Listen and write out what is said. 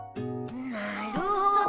なるほど。